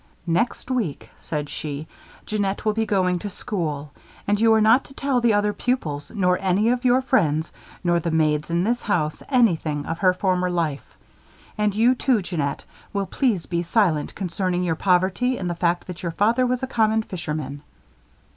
"Next week," said she, "Jeannette will be going to school. You are not to tell the other pupils nor any of your friends, nor the maids in this house, anything of her former life. And you, too, Jeannette, will please be silent concerning your poverty and the fact that your father was a common fishman."